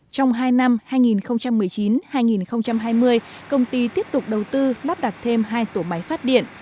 trong hai năm hai nghìn một mươi chín hai nghìn hai mươi công ty tiếp tục đầu tư lắp đặt thêm hai tổ máy phát điện